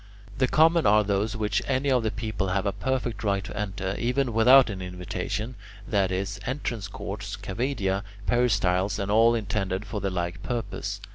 The common are those which any of the people have a perfect right to enter, even without an invitation: that is, entrance courts, cavaedia, peristyles, and all intended for the like purpose.